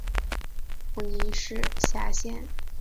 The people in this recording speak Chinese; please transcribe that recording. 普宁市辖乡。